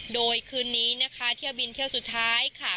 โดยคืนนี้นะคะเที่ยวบินเที่ยวสุดท้ายค่ะ